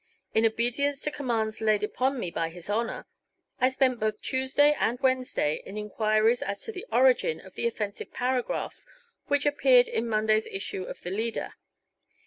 In obedience to commands laid upon me by his Honor, I spent both Tuesday and Wednesday in inquiries as to the origin of the offensive paragraph which appeared in Monday's issue of the Leader.